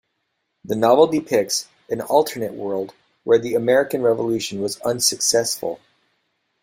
The novel depicts an alternate world where the American Revolution was unsuccessful.